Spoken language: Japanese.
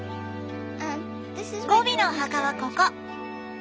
ゴビのお墓はここ！